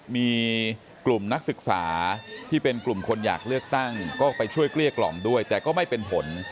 มีกลุ่มนักศึกษาที่เป็นกลุ่มคนอยากเลือกตั้งก็ไปช่วยเกลี้ยกล่อมด้วยแต่ก็ไม่เป็นผล